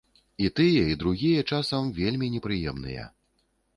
І тыя, і другія, часам, вельмі непрыемныя.